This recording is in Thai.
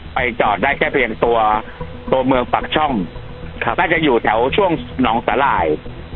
จอดได้แค่เพียงตัวตัวเมืองปากช่องน่าจะอยู่แถวช่วงหนองสาหร่าย